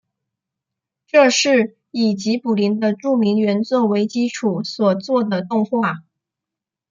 这是以吉卜林的著名原作为基础所做的动画。